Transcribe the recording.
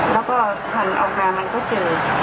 แล้วก็หันออกมามันก็เจอ